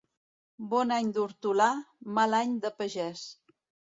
Bon any d'hortolà, mal any de pagès.